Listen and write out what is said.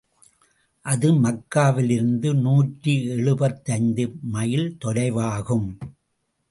அது மக்காவிலிருந்து நூற்றி எழுபத்தைந்து மைல் தொலைவாகும்.